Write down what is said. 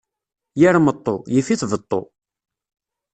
Yir meṭṭu, yif-it beṭṭu.